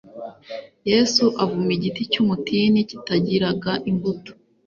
Yesu avuma igiti cyumutini kitagiraga imbuto